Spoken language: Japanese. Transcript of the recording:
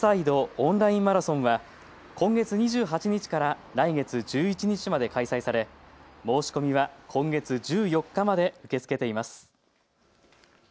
オンラインマラソンは今月２８日から来月１１日まで開催され申し込みは今月１４日まで受け付けています。